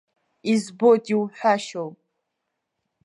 Избоит иуҳәашьоу.